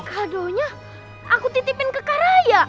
kadonya aku titipin ke kak raya